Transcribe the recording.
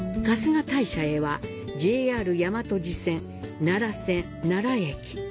春日大社へはＪＲ大和路線奈良線奈良駅。